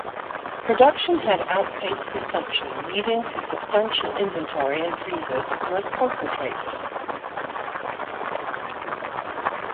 Production had outpaced consumption leading to substantial inventory in freezers or as concentrate.